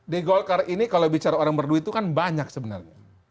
di golkar ini kalau bicara orang berdua itu kan banyak sebenarnya